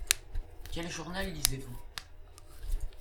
Quel journal lisez-vous ?